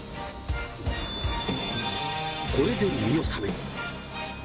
これで見納めに。